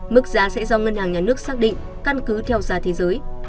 mức giá sẽ do ngân hàng nhà nước xác định căn cứ theo giá thế giới